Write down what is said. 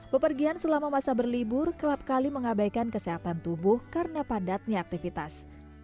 pepergian selama masa berlibur kerap kali mengabaikan kesehatan tubuh karena padatnya aktivitas